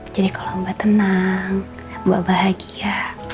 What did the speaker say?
jadi kalo mbak tenang mbak bahagia